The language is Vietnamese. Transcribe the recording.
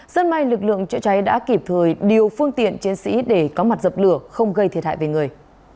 dân may lực lượng chữa cháy đã kịp thời điều phương tiện chiến sĩ để có mặt dập lửa không gây thiệt hại về người